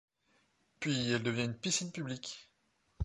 Puis elle devient une piscine publique.